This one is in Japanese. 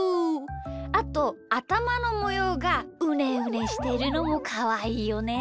あとあたまのもようがうねうねしてるのもかわいいよね。